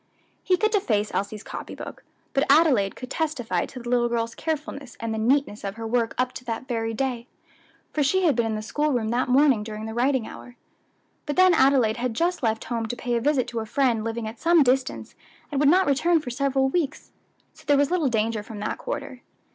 He could deface Elsie's copy book, but Adelaide could testify to the little girl's carefulness and the neatness of her work up to that very day, for she had been in the school room that morning during the writing hour. But then Adelaide had just left home to pay a visit to a friend living at some distance, and would not return for several weeks, so there was little danger from that quarter.